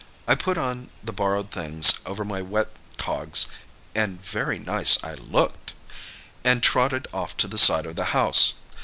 I put on the borrowed things over my wet togs (and very nice I looked!) and trotted off to the side of the house.